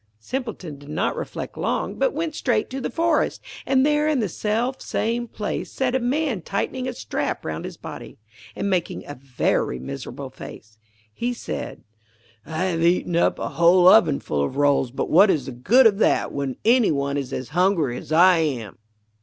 Simpleton did not reflect long, but went straight to the forest, and there in the self same place sat a man tightening a strap round his body, and making a very miserable face. He said: 'I have eaten up a whole ovenful of rolls, but what is the good of that when any one is as hungry as I am.